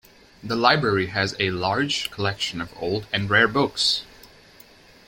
The library has a large collection of old and rare books.